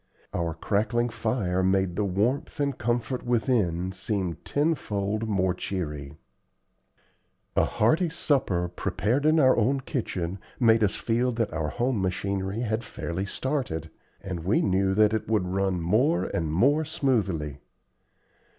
Our crackling fire made the warmth and comfort within seem tenfold more cheery. A hearty supper, prepared in our own kitchen, made us feel that our home machinery had fairly started, and we knew that it would run more and more smoothly.